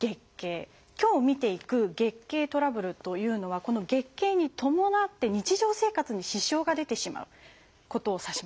今日見ていく月経トラブルというのはこの月経に伴って日常生活に支障が出てしまうことを指します。